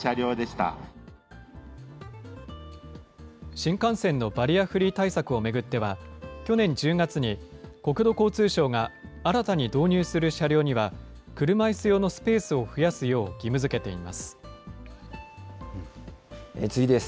新幹線のバリアフリー対策を巡っては、去年１０月に国土交通省が新たに導入する車両には、車いす用のスペースを増やすよう義務づけています。